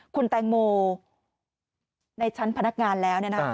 คุณแตงโมในชั้นพนักงานแล้ว